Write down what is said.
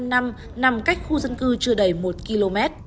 xây dựng cách đây năm năm nằm cách khu dân cư chưa đầy một km